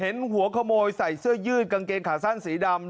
เห็นหัวขโมยใส่เสื้อยืดกางเกงขาสั้นสีดำ